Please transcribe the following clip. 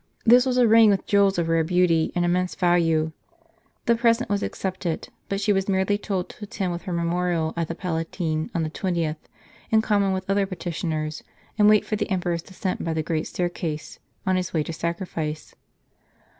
This was a ring with jewels of rare beauty, and immense value. The present was accepted ; but she was merely told to attend with her memorial at the Palatine on the 20th, in common with other petitioners, and wait for the emperor's descent by the great staircase, on his way to sacrifice.